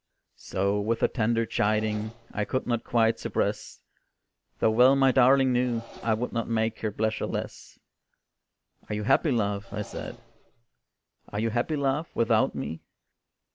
So with a tender chiding, I could not quite suppress, Though well my darling knew I would not make her pleasures less. "Are you happy, love?" I said, "Are you happy, love, without me?"